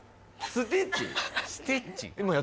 スティッチ？